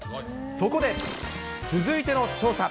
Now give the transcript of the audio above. そこで、続いての調査。